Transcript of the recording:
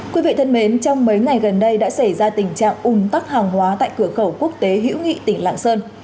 quý vị thân mến trong mấy ngày gần đây đã xảy ra tình trạng ùn tắc hàng hóa tại cửa khẩu quốc tế hữu nghị tỉnh lạng sơn